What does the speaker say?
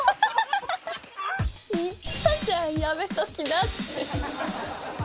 言ったじゃん、やめときなって。